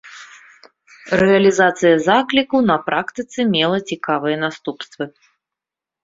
Рэалізацыя закліку на практыцы мела цікавыя наступствы.